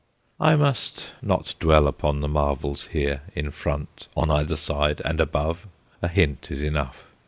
I must not dwell upon the marvels here, in front, on either side, and above a hint is enough.